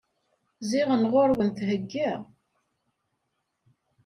Ziɣen ɣur-wen thegga.